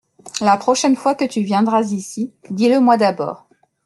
La prochaine fois que tu viendras ici, dis-le-moi d’abord.